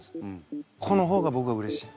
この方がぼくはうれしい。